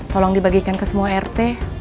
tolong dibagikan ke semua rt